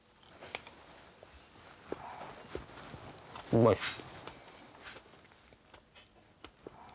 うまいっす。